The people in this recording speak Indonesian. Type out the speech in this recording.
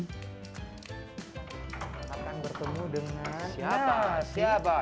kita akan bertemu dengan siapa